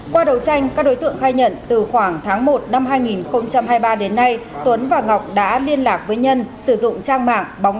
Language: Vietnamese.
qua đấu tranh các đối tượng khai nhận từ khoảng tháng một năm hai nghìn hai mươi ba đến nay tuấn và ngọc đã liên lạc với nhân sử dụng trang mạng bóng